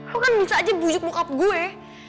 lo kan bisa aja bujuk bokap gue